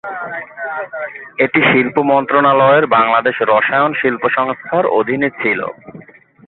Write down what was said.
এটি শিল্প মন্ত্রণালয়ের বাংলাদেশ রসায়ন শিল্প সংস্থার অধীনে ছিল।